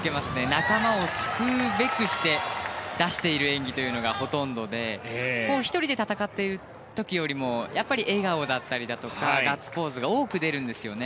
仲間を救うべくして出している演技というのがほとんどで１人で戦っている時よりもやっぱり笑顔だったりだとかガッツポーズが多く出るんですよね。